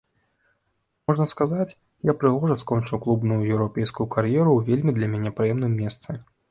Можна сказаць, я прыгожа скончыў клубную еўрапейскую кар'еру ў вельмі для мяне прыемным месцы.